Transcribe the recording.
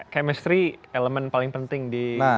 chemistry elemen paling penting di turnamen ganda